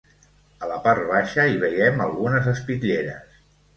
A la part baixa hi veiem algunes espitlleres.